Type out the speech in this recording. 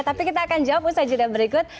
tapi kita akan jawab pun saja di dalam berikut